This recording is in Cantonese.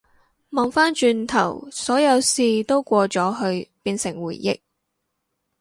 望返轉頭，所有事都過咗去變成回憶